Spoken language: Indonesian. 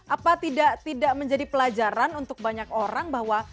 apa tidak menjadi pelajaran untuk banyak orang bahwa